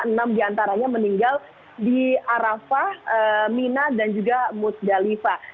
enam diantaranya meninggal di arafah mina dan juga musdalifah